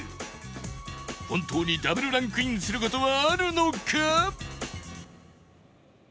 本当に Ｗ ランクインする事はあるのか？